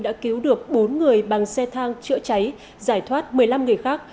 đã cứu được bốn người bằng xe thang chữa cháy giải thoát một mươi năm người khác